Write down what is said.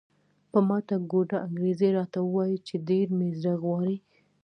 په ماته ګوډه انګریزي راته وایي چې ډېر مې زړه غواړي.